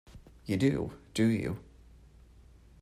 You do, do you?